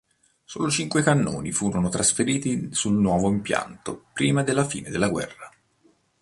Solo cinque cannoni furono trasferiti sul nuovo impianto prima della fine della guerra.